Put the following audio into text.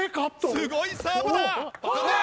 すごいサーブだ！